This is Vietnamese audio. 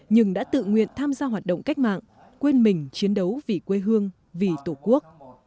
nhưng đã tự nguyện tham gia hoạt động cách mạng quên mình chiến đấu vì quê hương vì tổ quốc